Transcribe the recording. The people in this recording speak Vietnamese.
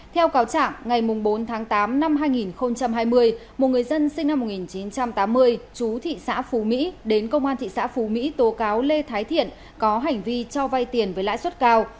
theo cáo trả ngày bốn tháng tám năm hai nghìn hai mươi một người dân sinh năm một nghìn chín trăm tám mươi chú thị xã phú mỹ đến công an thị xã phú mỹ tố cáo lê thái thiện có hành vi cho vay tiền với lãi suất cao